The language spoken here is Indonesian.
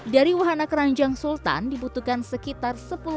dari wahana keranjang sultan dibutuhkan sekitar seratus meter